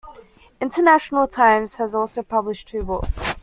International Times has also published two books.